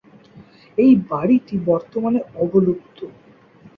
এই বাড়িটি বর্তমানে অবলুপ্ত।